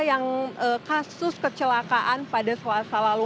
yang kasus kecelakaan pada selasa lalu